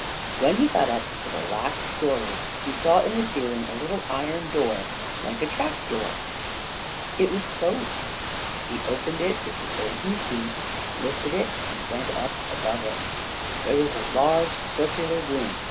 When he got up to the last story, he saw in the ceiling a little iron door like a trap door. It was closed. He opened it with the golden key, lifted it, and went up above it. There was a large circular room.